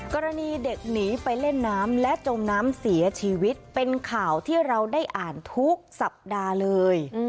กรณีเด็กหนีไปเล่นน้ำและจมน้ำเสียชีวิตเป็นข่าวที่เราได้อ่านทุกสัปดาห์เลย